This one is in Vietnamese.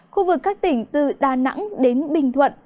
khu vực các tỉnh từ đà nẵng đến bình thuận